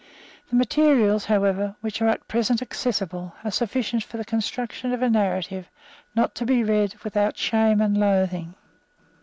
The materials, however, which are at present accessible, are sufficient for the construction of a narrative not to be read without shame and loathing.